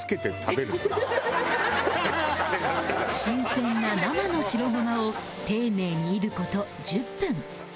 新鮮な生の白胡麻を丁寧に煎る事１０分